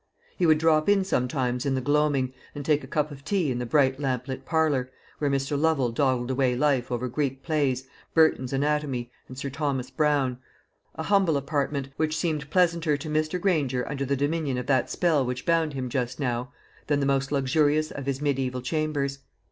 He would drop in sometimes in the gloaming, and take a cup of tea in the bright lamplit parlour, where Mr. Lovel dawdled away life over Greek plays, Burton's Anatomy, and Sir Thomas Browne a humble apartment, which seemed pleasanter to Mr. Granger under the dominion of that spell which bound him just now, than the most luxurious of his mediaeval chambers.